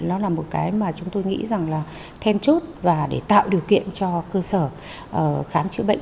nó là một cái mà chúng tôi nghĩ rằng là then chốt và để tạo điều kiện cho cơ sở khám chữa bệnh